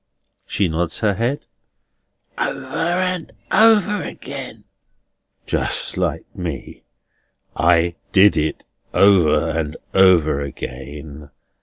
She nods her head. "Over and over again." "Just like me! I did it over and over again.